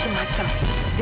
jangan jangan dia kesini ya